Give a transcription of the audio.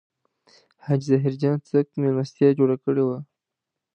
حاجي ظاهر جان څرک مېلمستیا جوړه کړې وه.